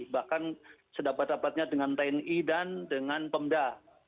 bahkan sedapat dapatnya dengan tni dan dengan pemda